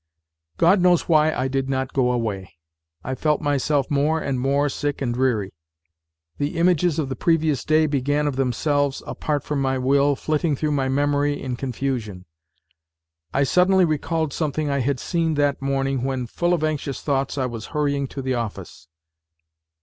God knows why I did not go away. I felt myself more and more sick and dreary. The images of the previous day began of themselves, apart from my will, flitting through my memory in con fusion. I suddenly recalled something I had seen that morning when, full of anxious thoughts, I was hurrying to the office.